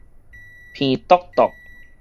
鼻啄啄